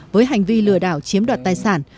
với hành vi lừa đảo chiếm đoạt tài sản